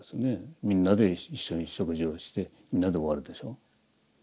みんなで一緒に食事をしてみんなで終わるでしょ。